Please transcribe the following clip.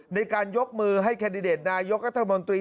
ในการยกมือให้แคนดิเดตนายกรัฐมนตรี